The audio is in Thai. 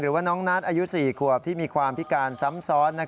หรือว่าน้องนัทอายุ๔ขวบที่มีความพิการซ้ำซ้อน